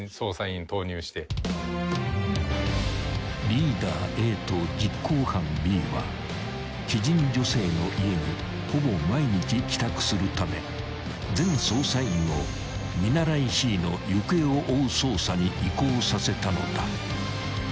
［リーダーＡと実行犯Ｂは知人女性の家にほぼ毎日帰宅するため全捜査員を見習いＣの行方を追う捜査に移行させたのだ］